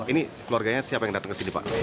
ini keluarganya siapa yang datang ke sini pak